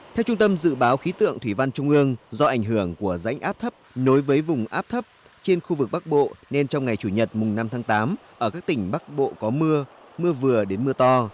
theo trung tâm dự báo khí tượng thủy văn trung ương do ảnh hưởng của rãnh áp thấp nối với vùng áp thấp trên khu vực bắc bộ nên trong ngày chủ nhật mùng năm tháng tám ở các tỉnh bắc bộ có mưa mưa vừa đến mưa to